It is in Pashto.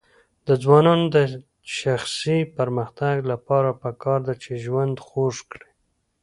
د ځوانانو د شخصي پرمختګ لپاره پکار ده چې ژوند خوږ کړي.